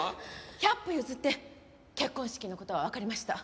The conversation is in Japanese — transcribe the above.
百歩譲って結婚式の事はわかりました。